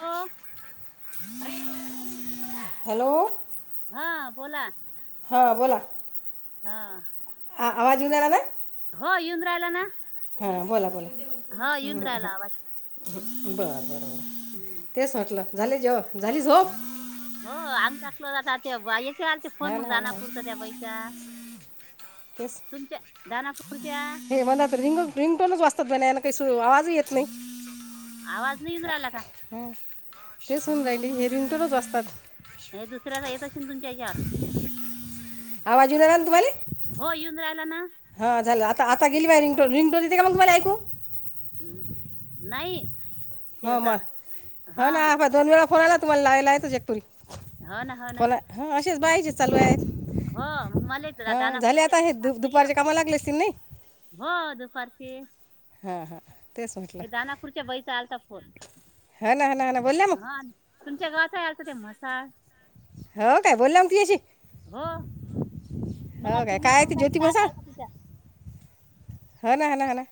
Hello hello hello हा बोला हां बोला हा ह आवाज उ द रा ना हो येऊन राहिला ना हा बोला बोला हा येऊन राहायला आवाज बरं बरं बर हम्म. तेच म्हटलं झाले जेव झाली झोप हो आमचाा कलो आता ते याचे आल ते फोन हा मग ना हा ना जाना हा पुरचा त्या बाईचा ते तुमच्या दानापूरच्या हे मला आ रिंग रिंगटनच वात काहीर आवाज येत नाही आवाज नाही उऊ राहिला का हां तेच होऊन राहिली हेरिंग तरच असतात हे दुसऱ्याला येतशे ना तुमच्या चार आवाज उनणार ना तुम्हाला हो येऊन राहिला ना हा झालं आता आता गेली बा रिंगो रिंगटो देते का मग तुम्हाला ऐकू नाही ते हो असा मग हो हा ना आप दोन वेळा फोन आला तुम्हाला लायला येतो जगपुरी होा ना हो ना तसेच बाईकचे लू आहेत हो मले मग हां झाले दानापुरत आता हे दु टाकता य दुपारच्या कामाला लागले असतील नाही हो दुपारची हा हा हे दानापूरच्या वैचा आलता फोन हा ना हा ना हा ना बोल ना मग हा तुमच्या गावात आल तर ते मसाळ होा काय बोल्ल न ती अशी हो मग काय तुम्ही काय बोल ती ज्योती टाक बसाल हाय तिच्या हो ना ह ना ह ना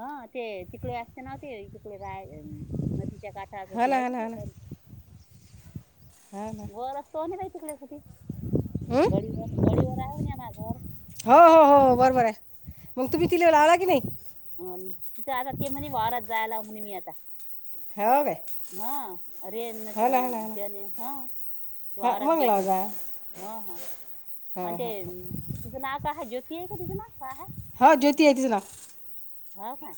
ह ते तिकडे असते नाव्हते तिकडे राहले च्या काठा हो कुठी ना आहे हा ना हा ना घरी हा ना घर असतो आणि मा तिकला कुठे हं? घडीवर गळीवरर आहे न आम घर हो हो हो बरोबर मग तुम्ही तिला लावला की नाही अन तिथं आता ते म्हणे वावरात जायला मी नी आता हो काय हा अरे न त हो ना हा मग ना हा ना त्याने हा हा वारात मग गेल लाव ती जा ह हा हां आणि ते हां हां तुझं नाव काय आहे ज्योती आहे का तुझं नाव काय आहे हा ज्योती आहे तिच नाव हो काय.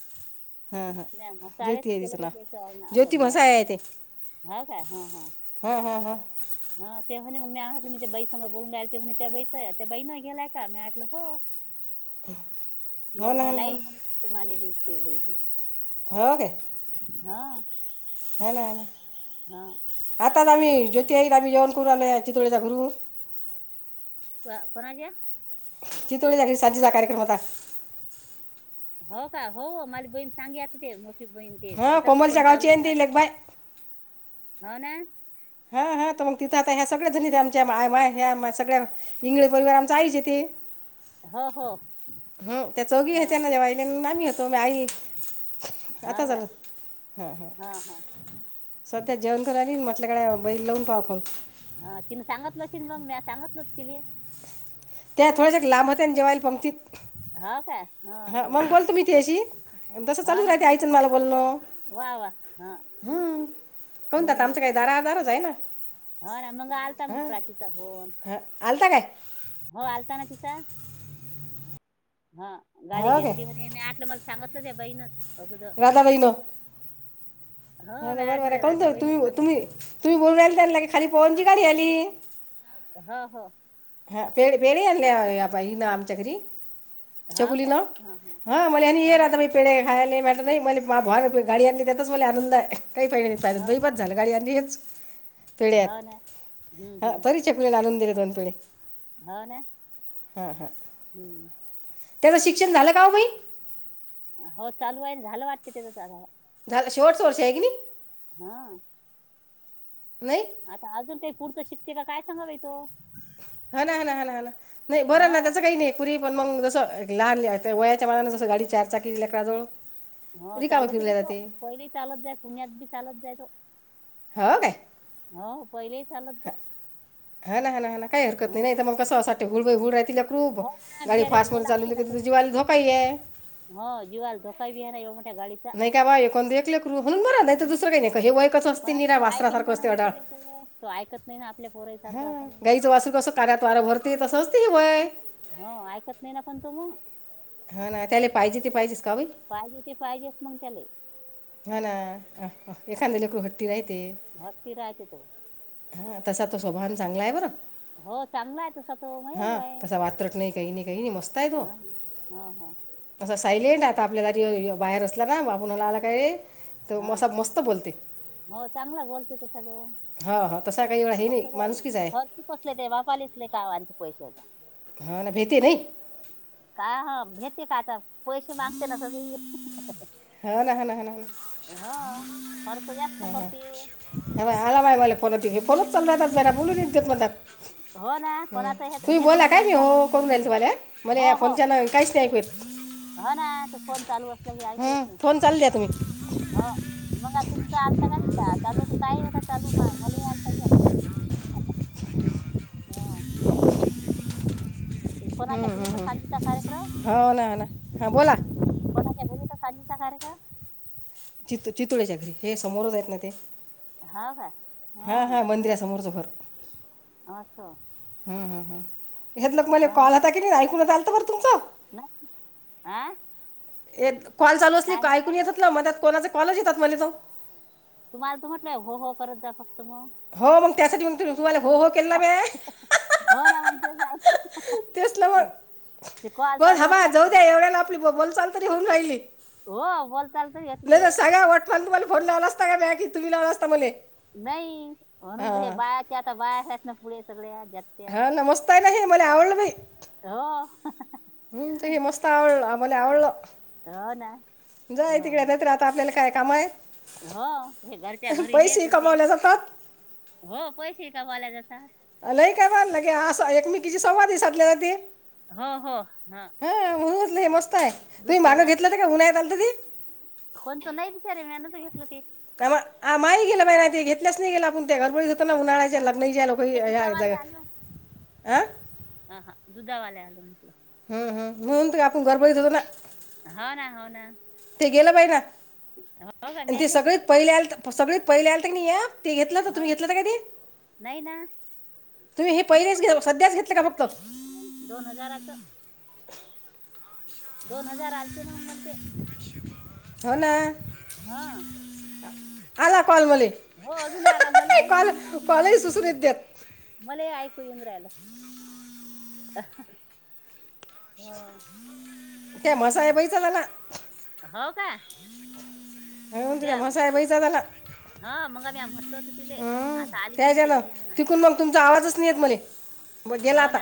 हा हा नाही मसाळेच ज्योती आहे तीच केलं बाई नाव ज्योती मसा आहे य ते होा का ह हा हा हा हा ह तेव्हाणे मग मी आटलं मी त्या बाई संग बोलून राल तेव्हाणी त्या बाईच त्या बाईण गेलाय का मी आटलं हो हो ना ह हा ना हा लाईल ना म्ह तु माारी बी सई. हो का हा ह ना ह ना हा आताच आम्ही ज्योती आम्ही जेवण करू आले चितोळीचा घरून. कोणा च्या चितोळी जा साजचा कार्यक्रम आता [unintelligible] हो का हो माला बहीण सांगे आता ते बहीण ते हा तचाच कोमलच्या फोन चालू गावची आहे ना होता ती आता लेकबाय हो ना हा हा तर मग तिथं आता ह्या सगळ्या जण येत आमच्या सगळ्या इंगळे परिवार आमचा आईश येत [inaudible] हो हो हम त्या चौघी हा आहे त्यांना जेव्हा आईल्या नामी होतो म आई हा आता का झालं हा हा त्याच्या जेवण करायला पण हिंमत लगडवाव आली म्हटल्याकडे बैल लावून पाहा फन हा तिने सांगतलशील मग म्या सांगतलच तिने थोड्या लांबत होते ना जेयल पंगतीत हो का हा मग बोलतो मीथशी जसं हो चालूच ना राहते हो आईचन मला बोलणं वा वा हा हम्म कोणत आता हम्म आमचं काही दारदारच आहे ना हो ना मग आलता मग हां प्राचीचा होन हां आलता काय हो आलता ना त हा गाडी हो काय घेतली म्हने मी आटलं मला सांगतलं त्या बाईन. राधा बइन. ह हो मी बरं बर आटलं राधा कोणत बाईनच तुम्ही तुम्ही सांगितलं तुम्ही बोलून राला त्यांला की खाली पव्हन ची गाडी आली. हा हा हा तेन बेडी आलेय आता हिन आमच्या घरी चोकुली नाव हा मला ये हो ना. राहता पेडे खायला आता नाही म मा बार नाो गडी आणली त्याेतच मला आनंद काही पाहिन प पाहिर हो, दईबज हो. झालं गाडी आणन येच पिळत हो ना. हं, ह हं. परच पुलेला आण आणून दिले दोन पिळे [unintelligible] हो ना हम्म त्याचं शिक्षण झालं का ओ बाई हो चालू आहेईल झालं वाटते त्याचा शेवटच वर्ष हाय कणी हा नाही आता अजून काही पुढतं शिकते का काय सांगावे तो हा ना हा हाणा हाणा नाही बरं ना हां. त्याच काही नाही कुरी पण मग जस लहान ल वयाच्या मनां जसं गाडी चारचाकीली ललेकराजवळ हो चालवतते त पहिली चालत जाय पुण्यात बी चालत जाय त होा काय पहिले चालत जा हा ना हा ना हा काही हरकत नाही तर मग कसंसाठी हुळबई हुळ रा तिला क्रूप हो ना गाडी बिचारे फास्ट भ्याव म लागते चालवली ना करी तरी. जीवाला धोका आहे हो जीवाला धोका बी आहे ना एवढ्या मोठ्या गाडीचा. नाही का बाबा हे कोण दे एकले क्रू म्हणून बर नाही तर हं. दुसरंही नाही का हेवाईकच पण असते आता निरा तो ऐके वास्तनाारखं ना ना असते अडाळ बिचारे तो. तो ऐकत नाही ना आपल्या हा पोरासारखा असा नाही ना. गाईचं वासू कस कार्यात वारा भरते तसं असते वय हो ऐकत नाही ना पण तो मग हा ना त्याला पाहिजे ते पाहिजेच कावई पाहिजे ते पाहिजेच मग त्याले. हा ना अ एखाद लेकरू हट्टी राह ते हट्टी राहते तो. हा तसा तो स्वभाान चांगला आहे बरं हो चांगला आहे तसा तो मयूर हा आहे तसा वाात्रट नाही काही नाही काही नाही मस्त आहे तो हा हो हो असं सायलेंट आता आपल्यालारी बाहेर असला ना बापणाला आला काय तर हा मग असा मस्त बोलते हो चांगला बोलते त सगं हा हा तसा काही एवढा हे फक्त नाही काय माणुसकीच आहे खर्ती कसले ते वापालेसले का आणच्या पैशाचा हा ना भेती नाही काय हा भेते काय आता पैसे मागते ना स हा ना ना हो खर्च जास्त ह करते हा आला बाई मला फोनत फोनच चालला जरा बोलून देत म त्या हो ना ह कोणाचं हे तुम्ही हेच बोला चालू काय आहे नाही का हो करून राहिल तुम्हाला मला या फोनच्या काहीच नाही ऐकूत म हा ना ते फोन चालू असत हम्म फोन चालू दया तुम्ही हो मग तुमच आलता का का चाल हो तर ता होता चालू मग मला आलता [inaudible] हा ते हम्म कोणाच्या घरी तर हम्म सांजीचा कार्यक्रम हम हो ना हो ना हा बोला पानीचा कार्यक्रम चित चितोळेच्या घरी हे समोरच आहेत ना ते हा का हा हा मंदिर आहे समोरचं फर अचछा! ह ह हेत लग मला ना कॉल होता की नाही ऐकून चाल बर तुमचं. नाही आं. कॉल चालू असली ऐकून येतात ना म त्यात कोणाचा कॉलच येतात मला तो तुम्हाला तर म्हटलंय हो हो करत जा फक्त मग हो मग त्यासाठी मग त तुम्हाला हो हो केला म हो नामक बोल हबा जाऊ द्या एवढ्याला आपली बोलचाल तरी हो राहि नाही हो बोल चालतं येते ते सगळ्याण तुम्हाला फोन लावला असता का तुम्ही लाव असता मला नाही म्हणून हे हां बायाचे आता बाहेच ना पुढे सगळे हा नमस्तय ना मला आवडलं भाई हो मला हो ना आवडलं जाय हो तिकडे नाहीत्र आता आपल्याला काय काम आहे हो ते घरच्या घरी हेच पैसे होते कमावले जातात हो पैसे कमाला जात नाही काय बललं की अस एकमेकीची संवादी साधले जात ते हो हो हा म्हटलं हे मस्त आहे दूध तुम्ही घे मागं जाते घेतलं का गन्हा आली. कोणतं नाही बिचारे मी अनच घेतलं ते. काय माही गेलं बाहि ना ते घेतल्याच नाही गेलं आपण त्या घरबडी. उन्हाळा्याच्या हो ना लग्न लोक ते दुधावाले आले होते. अं. हा, हा. दुधावाले आले होते हम् हम्म होत का आपण गरब यित होतो ना. हो ना हो ना ते गेलं पाहि ना हो का मी ते नाही सगळी घेतलं पहिले सगळी पहिले आ. या ते घेतलं हो तुम्ही घेतलं कधी. नाही ना दोन हार घेत फक्त दोन हजाराचं. दोन हजार अठचे नऊ म. होना. हा. आला कॉलमली हो अजून आला मला ऐकू कॉल येईन ना. कॉलही सुसरत देत. मला ऐकयंद्रला. [unintelligible] हा. ते मसा आहे पैचला ना. हो का. होऊन त्या म साहे बैचाात झाला. हा मंग आमी म्हटल होत तिले हं, आता आली चिनते त्याच्यानं घरी म्हनाच्या. तिकून मग तुमचा आवाजच नाही येत मले मग गेला आता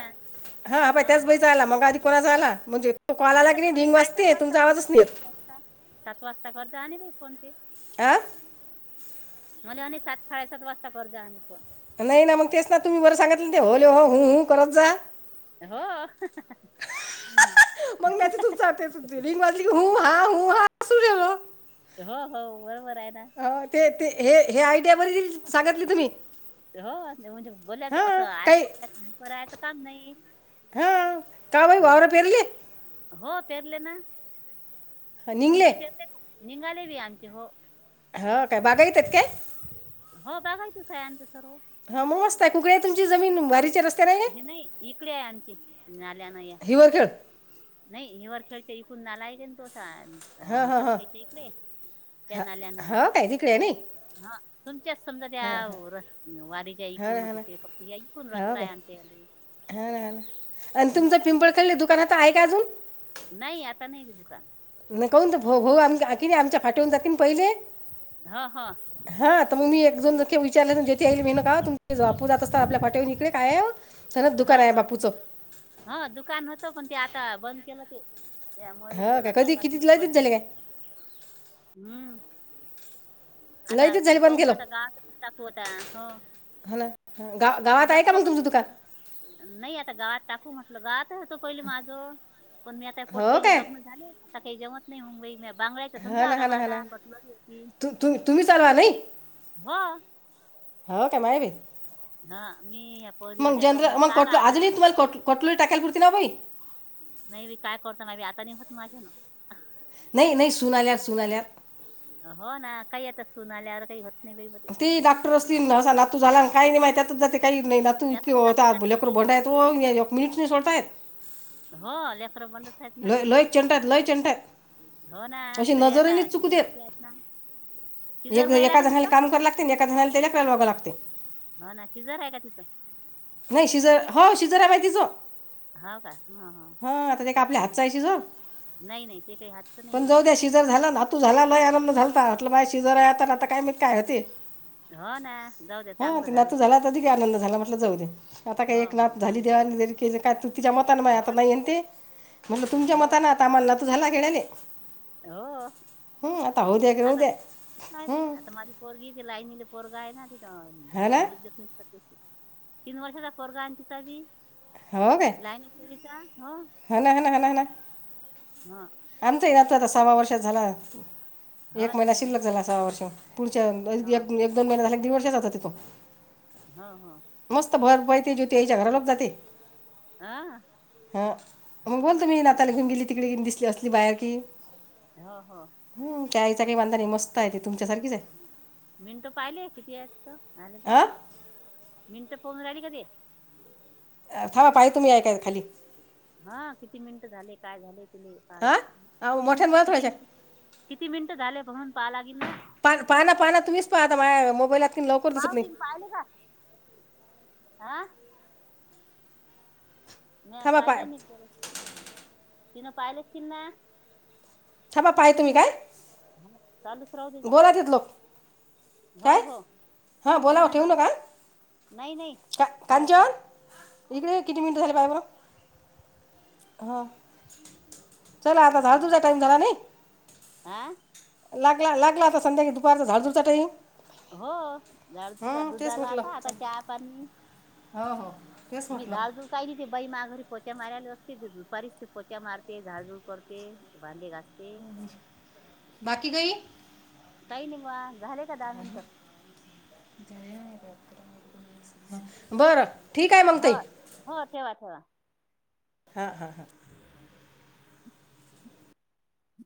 हा प त्याच बई जायला मग आधी कोणा जायला म्हणजे. तो कॉल आला बला की नाही तु म्ह ढिंग साडेसात वाजते वाजता तुमचा करज आवाजच नाही वा येत सात वाजता करज आणि मी कोण ते. आ. मला आणि सात साडेसात वाजता पर जा आणि फोन. नाही ना मग तेच ना तुम्ही बरं सांगितलं ते होले हो ह हो करत जा. हो. मग नाही तू ज त लिंग वाजली ह हा ह हाूेलो. हो हो बरोबर आहे ना. ते ते हे हे आयडिया बर सांगितली तुम्ही. हो म्हणजे बोलच असं हां ऐकूरायचं का नाही. हा का भाई ह बावर फरले. हो पेरले ना निघले तुमचे पेरले ना निघाले बी आमचे हो. हा काय बागा यितात काय. हो काघाय त सं स. हा मग मस्त कुकडे तुमची जमीन वारीचेर अस. ह नाही इकडे आहे आमची नाल्यान या हिवर खेळ नाही ह व खे इकून ना [unintelligible] हां हां मसम कयच्या हां इकडे त्या नाल्यान आहे हां ते हो काय तिकडे आहे नाही हा तुमच्या समजा त्यास् वारीच्या हा ना हा एकूणचे फक्त ह एकूण ना हो रस्ता काय आहे. याले हा हा आणि हम्म तुमच पिंपळ खल्ली दुकानात आहे का अजून. नाही आता नाही रे दुकान. आणि कून होऊ आम की नाही आमच्या फाटेवून जाते पहिले. हा हा. एको ज विचारलं त तेथे येईल मे ना का तुम बापू जात असता आपल्या पाटे येऊ इकड काय. सनद दुकान हा आहे हा बापूचं हा दुकान होतं पण ते आता बंद केलं ते. त्या हो मयूरीच्या काय लग्ना कधी पासून किती लयतीच बंद झाले केला काय हम्म. आता लयतीच झाले बंद पाहुन केलं आता गातच टाकू होता हो. हो ना हा, गाव गावात आहे का मग दगदग तुमचं दुकान नाही आता गावात टाकू म्ह. गावातच होतो पहिले माझं पण मी आता हो पोट्ट्याचे काय लग्न झाले आता काही जमत नाही मुंबई मी. बांगडयचा हा धंदा ना आता हा ना हा मला ना पटलली होती. तु तु तुम्ही चालवा नाही हो हो का. हा मी ह परीवर त्याचा मग सारा आत [unintelligible] टकेल करती ना भाई नाही बी काय करत मी आता नाही होत माझे ना नाही नाही सुना आल्यात सुना आल्यात हो ना काही आता सून आल्यावर काही होत नाही बाई मध्ये ते डाक्टर असतील ना, नातू झाला काही नाही माहिती त्यातच जात काही नाही ना तू इ त्यातच जाते ना होतालेकर ते बोंय एक मिनिटं नाही सोडताय होले लो लो चंटात लोई चंट आहेत हो ना तरी आता शिजडचे आहेत ना सिजर एक व्हायला एका का तिथं जणाला कामराव लागते एका जणाला तेच्याकराला बघाव लागते हा ना शिजर हाय का तिचं? नाही शिजर हो शिजर आहे बाई तिज हो का? ह ह आपल्या हातचा काही हातचं नाही पण जाऊ द्या शिजर झाला नातू झाला, आनंद झालता म्हटलं माय शिजर आहे आता, काय माहित काय होते? हो ना जाऊ दे हां चांगलं झालं नातू ते झाला तर अधिक आनंद झाला म्हटलं जाऊ दे, आता हो काही एक हो नातं झाली चांगलं देवाण दिली, काय तू तिच्या मत आता हो ना नाहीय ते म्हटलं तुमच्या हो मताने ना आम्हाला नातू झाला गेळाने हो. आता होऊ द्या की राहू आता द्या हं. आता माझ पोरगी ती लाईनीले पोरगा आहे ना ृ हा ना ज [unintelligible] तीन वर्षाचा पोरगा आहेना तिचा बी हो ग लाईनी पोरीचा हणा हणा हाणा हाणा हा. आमचही आता आता सव्वा वर्षात झाला, हो एक ना महिना हो ना शिल्लक झाला सव्वा वर्ष होऊन पुढच्या एक हो हो एक दोन महिन्या एक दीड वर्षात जातो तो हा हा मस्त भर पाय ते ज्योती याच्या घरा लोक जाते हां हा हो मग ना बोलतो मी नाताला घेऊन हम्म. गेली तिकडेे येऊन दिसली असते. बाहेर की हो हो. चाय चा काय वांदा नाई मस्तये तिथे मिनटं पाहिलीय किती आलं का हां मिनट? सोम राहीली का ते? थांवा पाहि तुम्ही ऐकाय खाली हा किती मिनिट झाले काय झाले ति पाहालाग हां अहो मोठ्यानं बोला किती थोड्याशा किती मिनटं झाले म्हणून पाहालागी ना पा पाहा पाना तुम्हीच पाहा आता माझ्या मोबाईलात की लवकर दिसत नाही पावतीन पाहिले का हं? म्या थांबा पाय पाहिली ना सगळे तीन पाहिले असतील ना? थांबा पाय तुम्ही काय? चालूच राहूदे ग बोला तिथं लोक हो काय हो हां हो बोला ना ठेवू हो नका ना नाही नाही का ठेवत नाही कांचन इकडे किती मिनिटं झाली पाय बरं ह चला आता झाडूचा टाइम झाला नाही. आह? लागला लागला आता संध्याकाळी दुपारचा झाड झूड चा टाइम हो झाड झाडू झाला म्हटलं आता आता चहा पाणी हो हो. तेच मी म्हटलं झाडून कायली ते बाई माघरी पोचा मारायला असते ते दुपारीच पोचा मारते, झाडझूड करते, भांडे घासते. बाकी काय काय नाही झाले का दहा मिनिट बरं ठीक आहे मंग हो ताई हो ठेवा ठेवा हा हा हा